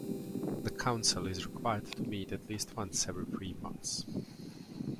The Council is required to meet at least once every three months.